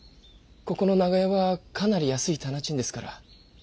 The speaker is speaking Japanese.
ここの長屋はかなり安い店賃ですから。